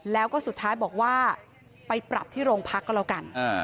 แล้วก็สุดท้ายบอกว่าไปปรับที่โรงพักก็แล้วกัน